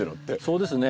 そうですね。